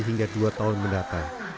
hingga dua tahun mendatang